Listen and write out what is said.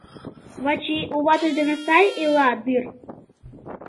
Вачи у ватыж дене сай ила дыр?